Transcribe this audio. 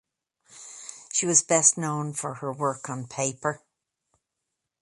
She was best known for her work on paper.